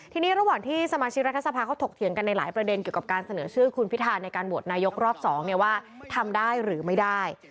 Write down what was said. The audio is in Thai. ทีนี้ระหว่างที่สมาชิกรัฐสภาเขาถกเถียงกันในหลายประเด็นเกี่ยวกับการเสนอชื่อคุณพิธาในการโหวตนายกรอบ๒ว่าทำได้หรือไม่ได้